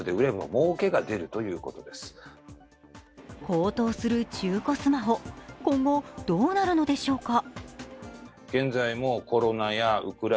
高騰する中古スマホ、今後どうなるのでしょうか。